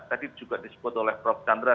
tadi juga di support oleh prof chandra